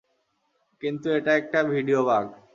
কিন্তু এটা একটা ভিডিয়ো বাগ।